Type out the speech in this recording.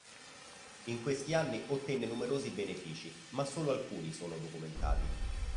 In questi anni ottenne numerosi benefici ma solo alcuni sono documentati.